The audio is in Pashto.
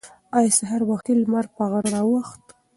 ایا سهار وختي لمر په غره راوخوت؟